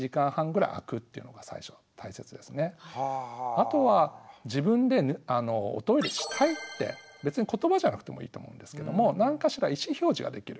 あとは自分でおトイレしたいって別に言葉じゃなくてもいいと思うんですけども何かしら意思表示ができる。